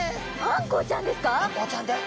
あんこうちゃんです。